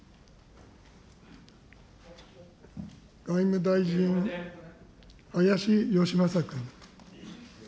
外務大臣、林芳正君。